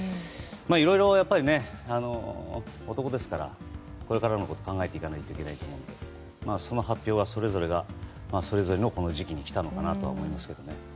いろいろ、男ですからこれからのことを考えていかないといけないと思うのでその発表はそれぞれがそれぞれの時期に来たのかなと思います。